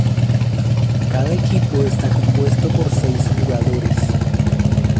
Cada equipo está compuesto por seis jugadores.